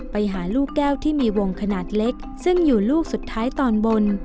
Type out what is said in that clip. ไปหาลูกแก้วที่มีวงขนาดเล็กซึ่งอยู่ลูกสุดท้ายตอนบน